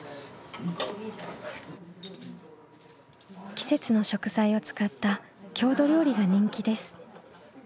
季節の食材を使った郷土料理が人気です。